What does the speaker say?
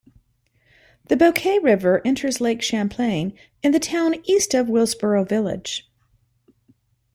The Boquet River enters Lake Champlain in the town east of Willsboro village.